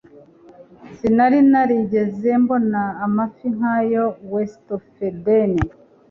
sinari narigeze mbona amafi nk'ayo. (westofeden